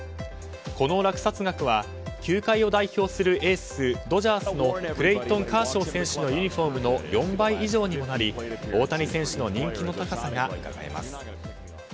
この落札額は球界を代表するエースドジャースのクレイトン・カーショウ選手のユニホームの４倍以上にもなり大谷選手の人気の高さがうかがえます。